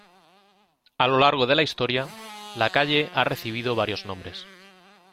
A lo largo de la Historia, la calle ha recibido varios nombres.